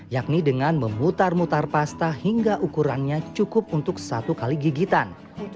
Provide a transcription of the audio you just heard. yakni dengan memutar mutar pasta hingga ukurannya cukup untuk satu kali gigitan